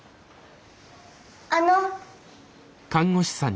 あの。